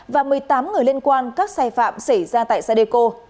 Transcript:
và một mươi tám người liên quan các sai phạm xảy ra tại sadeco